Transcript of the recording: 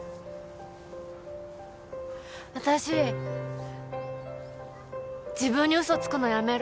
私自分に嘘つくのやめる。